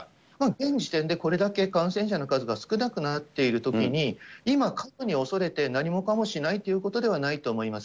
現時点でこれだけ感染者の数が少なくなっているときに、今過度に恐れて何もかもしないということではないと思います。